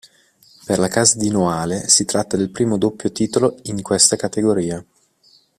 Per la casa di Noale si tratta del primo doppio titolo in questa categoria.